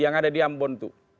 yang ada di ambon itu